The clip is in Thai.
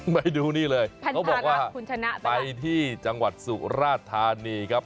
ไปดูนี่เลยเขาบอกว่าคุณชนะไปที่จังหวัดสุราธานีครับ